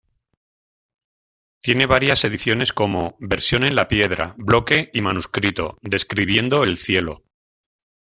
Tiene varias ediciones como: versión en la piedra, bloque, y manuscrito, describiendo el cielo.